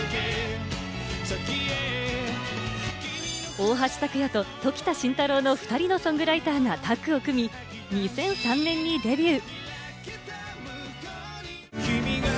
大橋卓弥と常田真太郎の２人のソングライターがタッグを組み、２００３年にデビュー。